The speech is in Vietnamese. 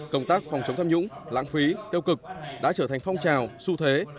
công tác phòng chống tham nhũng lãng phí tiêu cực đã trở thành phong trào su thế